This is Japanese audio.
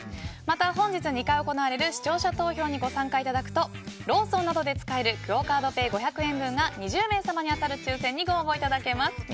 また本日２回行われる視聴者投票にご参加いただくとローソンなどで使えるクオ・カードペイ５００円分が２０名様に当たる抽選にご応募いただけます。